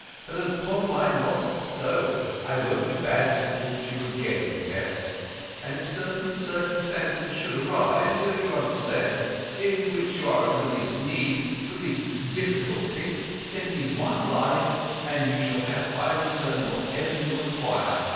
But, upon my lost soul, I won't be bad towards you again, Tess. And if certain circumstances should arise—you understand—in which you are in the least need, the least difficulty, send me one line, and you shall have by return whatever you require.